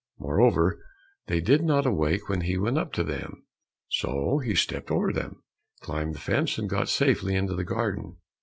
Moreover, they did not awake when he went up to them, so he stepped over them, climbed the fence, and got safely into the garden.